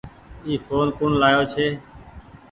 اي ڦون ڪوڻ لآيو ڇي۔